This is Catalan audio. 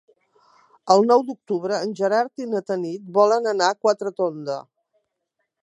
El nou d'octubre en Gerard i na Tanit volen anar a Quatretonda.